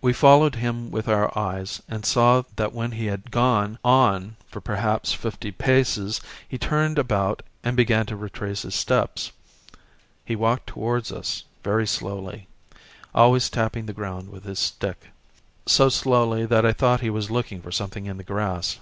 We followed him with our eyes and saw that when he had gone on for perhaps fifty paces he turned about and began to retrace his steps. He walked towards us very slowly, always tapping the ground with his stick, so slowly that I thought he was looking for something in the grass.